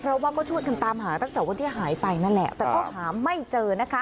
เพราะว่าก็ช่วยกันตามหาตั้งแต่วันที่หายไปนั่นแหละแต่ก็หาไม่เจอนะคะ